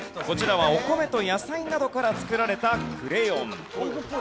こちらはお米と野菜などから作られたクレヨン。